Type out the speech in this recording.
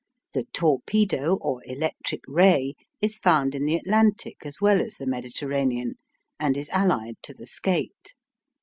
The torpedo, or "electric ray," is found in the Atlantic as well as the Mediterranean, and is allied to the skate.